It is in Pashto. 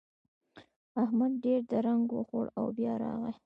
احمد ډېر درنګ وخوړ او بيا راغی.